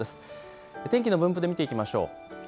天気の分布で見ていきましょう。